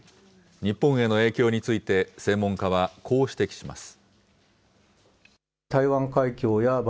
日本への影響について、専門家はこう指摘します。